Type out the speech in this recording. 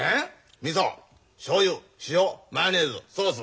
みそしょうゆ塩マヨネーズソース。